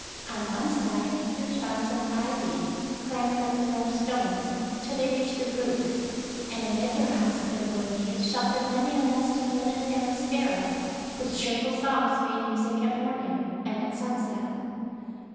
On one side huge vines of ivy clam bered up the rough stones till they reached the roof, and amid their hospi table leaves sheltered many a nest of linnet and of sparrow, whose cheerful songs made music at morning and at sunset.